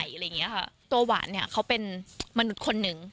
อะไรอย่างเงี้ยค่ะตัวหวานเนี่ยเขาเป็นมนุษย์คนหนึ่ง